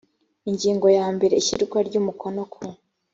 ingingo yambere ishyirwa ry umukono ku